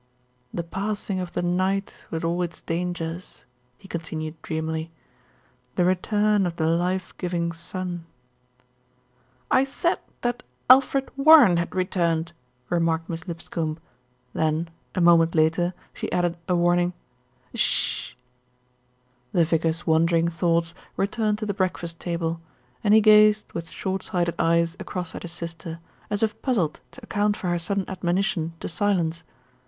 "The passing of the night with all its dangers," he continued dreamily, "the return of the life giving sun" "I said that Alfred Warren had returned," remarked Miss Lipscombe, then, a moment later, she added a warning "shsss " The vicar's wandering thoughts returned to the breakfast table, and he gazed with short sighted eyes across at his sister, as if puzzled to account for her sudden admonition to silence.